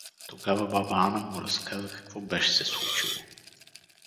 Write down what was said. Тогава баба Ана му разказа какво беше се случило.